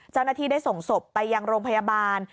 เจ้าหน้าที่ได้ส่งศพไปยังโรงพยาบาล